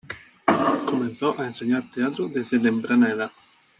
Comenzó a enseñar teatro desde temprana edad.